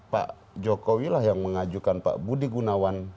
pak jokowi lah yang mengajukan pak budi gunawan